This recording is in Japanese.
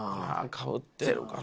かぶってるかな？